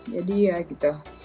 jadi ya gitu